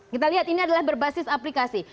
kita lihat ini adalah berbasis aplikasi